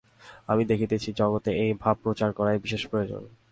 আমি দেখিতেছি, জগতে এই ভাব প্রচার করাই বিশেষ প্রয়োজন।